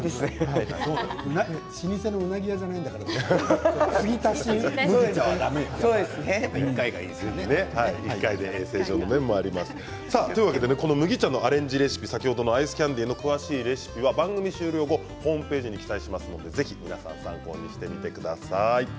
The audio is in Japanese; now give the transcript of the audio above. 老舗のうなぎ屋じゃないんだから麦茶のアレンジレシピ先ほどのアイスキャンディーの詳しいレシピは番組終了後ホームページに掲載しますのでぜひ参考にしてください。